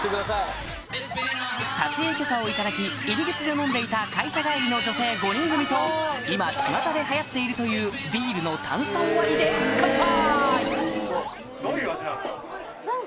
撮影許可を頂き入り口で飲んでいた会社帰りの女性５人組と今ちまたで流行っているというビールの炭酸割りで乾杯！